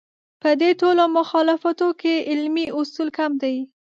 په دې ټولو مخالفتونو کې علمي اصول کم دي.